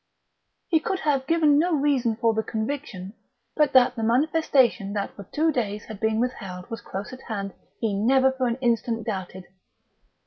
He could have given no reason for the conviction, but that the manifestation that for two days had been withheld was close at hand he never for an instant doubted.